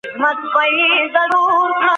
احمد شاه ابدالي څنګه د خپل واک ثبات وساته؟